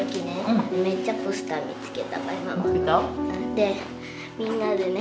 でみんなでね